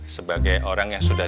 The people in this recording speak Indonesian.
sebagai orang yang sudah